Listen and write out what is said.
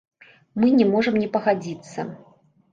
Мы не можам не пагадзіцца.